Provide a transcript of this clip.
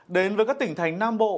đến với các tỉnh thành nam bộ